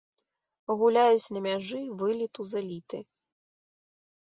Гуляюць на мяжы вылету з эліты.